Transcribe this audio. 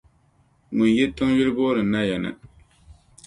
ŋun yi tiŋ yuli booni Naya na.